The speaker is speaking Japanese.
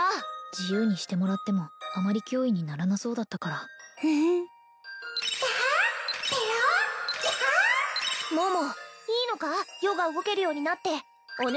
自由にしてもらってもあまり脅威にならなそうだったからタハッペロッキャハッ桃いいのか余が動けるようになってお主